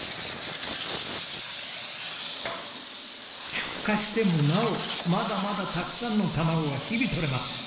出荷してもなおまだまだたくさんの卵が日々とれます。